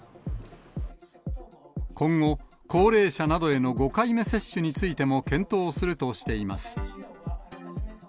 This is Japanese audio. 今後、高齢者などへの５回目接種についても検討するとしています。